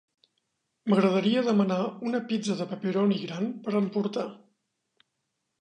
M'agradaria demanar una pizza de pepperoni gran per emportar.